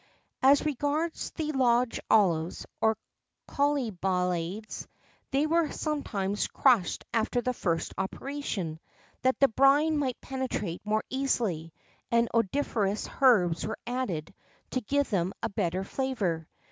[XII 32] As regards the large olives, or colymbades, they were sometimes crushed after the first operation, that the brine might penetrate more easily; and odoriferous herbs were added to give them a better flavour.